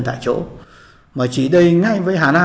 thì chúng tôi thấy là